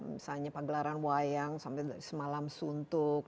misalnya pagelaran wayang sampai semalam suntuk